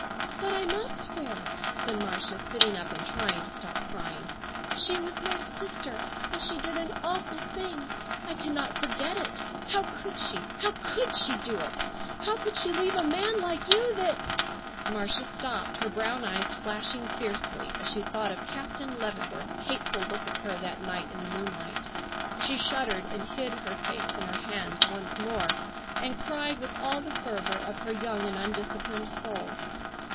"But I must bear it," said Marcia, sitting up and trying to stop crying. "She was my sister and she did an awful thing. I cannot forget it. How could she, how could she do it? How could she leave a man like you that—" Marcia stopped, her brown eyes flashing fiercely as she thought of Captain Leavenworth's hateful look at her that night in the moonlight. She shuddered and hid her face in her hands once more and cried with all the fervor of her young and undisciplined soul.